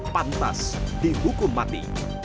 pantas dihukum mati